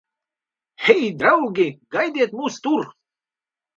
Hei, draugi! Gaidiet mūs tur!